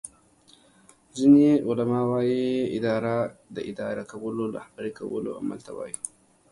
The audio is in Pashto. ځینی علما وایې اداره داداره کولو او رهبری کولو عمل ته وایي